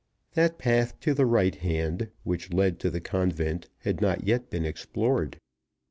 That path to the right hand which led to the convent had not yet been explored.